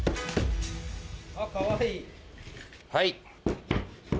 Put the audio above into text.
はい。